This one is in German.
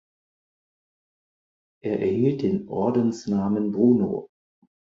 Er erhielt den Ordensnamen "Bruno".